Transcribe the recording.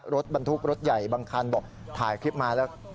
รถบรรทุกรถใหญ่บางคันบอกถ่ายคลิปมาแล้ว